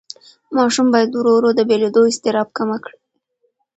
ماشوم باید ورو ورو د بېلېدو اضطراب کمه کړي.